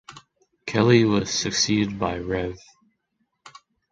Kelly was succeeded by Rev.